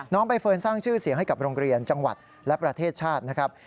ใบเฟิร์นสร้างชื่อเสียงให้กับโรงเรียนจังหวัดและประเทศชาตินะครับ